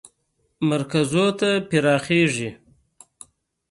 مرکزونو ته پراخیږي.